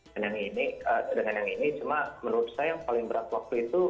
dengan yang ini cuma menurut saya yang paling berat waktu itu